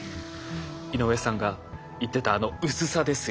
井上さんが言ってたあの薄さですよ。